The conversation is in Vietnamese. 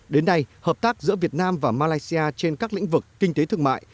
đến nay hợp tác giữa việt nam và malaysia trên các lĩnh vực kinh tế thương mại